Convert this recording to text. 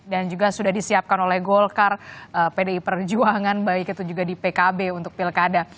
dan juga sudah disiapkan oleh golkar pdi perjuangan baik itu juga di pkb untuk pilkada